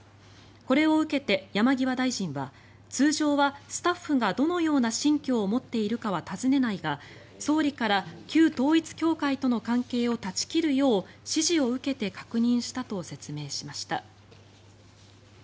これを受けて、山際大臣は通常はスタッフがどのような信教を持っているかは尋ねないが総理から旧統一教会との関係を断ち切るよう指示を受けて確認したと説明しました。